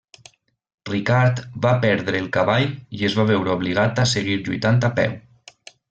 Ricard va perdre el cavall i es va veure obligat a seguir lluitant a peu.